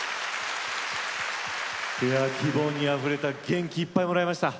希望にあふれた元気いっぱいもらいました。